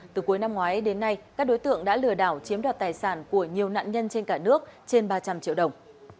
từ cuối năm ngoái đến nay các đối tượng đã lừa đảo chiếm đoạt tài sản của nhiều nạn nhân trên cả nước trên ba trăm linh triệu đồng